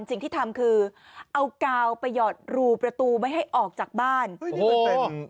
สิ่งที่ทำคือเอากาวไปหยอดรูประตูไม่ให้ออกจากบ้าน